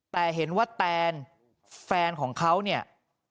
แต่เห็นว่าแตนแฟนของเขาเนี่ย